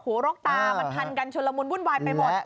รกตามันพันกันชุนละมุนวุ่นวายไปหมด